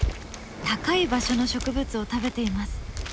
高い場所の植物を食べています。